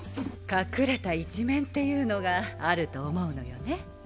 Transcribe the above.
隠れた一面っていうのがあると思うのよね。